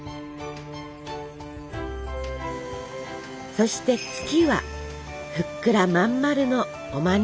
そして「月」はふっくらまん丸のおまんじゅう。